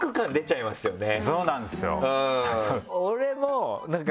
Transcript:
そうなんですよ。